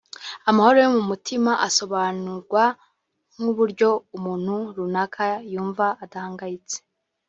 Amahoro yo mu mutima asobanurwa nk’uburyo umuntu runaka yumva adahangayitse